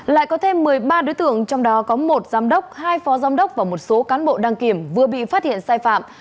lại có thêm một mươi ba đối tượng trong đó có một giám đốc hai phó giám đốc và một số cán bộ đăng kiểm vừa bị phát hiện sai phạm